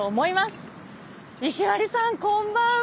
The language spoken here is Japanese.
石割さんこんばんは。